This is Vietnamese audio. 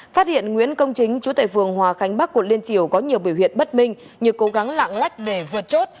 phát hiện nguyễn công chính chủ tại vườn hòa khánh bắc quận liên triều có nhiều biểu hiện bất minh như cố gắng lạng lách để vượt chốt